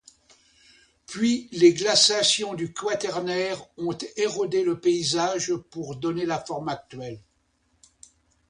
Puis les glaciations du Quaternaire ont érodé le paysage pour donner la forme actuelle.